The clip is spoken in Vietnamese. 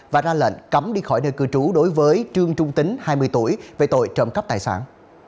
và ra lệnh cấm đi khỏi nơi cư trú đối với trương trung tính hai mươi tuổi về tội trộm cắp tài sản